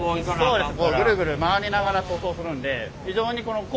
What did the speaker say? そうです。